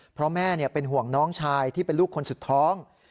เพราะแม่เป็นห่วงน้องชายที่เป็นลูกคนสุดท้อง